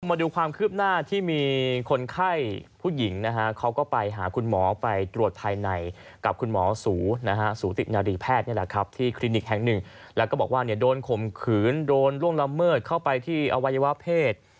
มาดูความคืบหน้าที่มีคนไข้ผู้หญิงนะฮะเขาก็ไปหาคุณหมอไปตรวจภายในกับคุณหมอสูนะฮะสูตินารีแพทย์นี่แหละครับที่คลินิกแห่งหนึ่งแล้วก็บอกว่าเนี่ยโดนข่มขืนโดนล่วงละเมิดเข้าไปที่อวัยวะเพศ